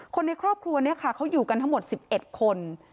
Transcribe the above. คนในครอบครัวนี้ค่ะเขาอยู่กันทั้งหมด๑๑คน